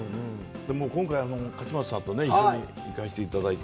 今回は勝俣さんと一緒に行かせていただいて。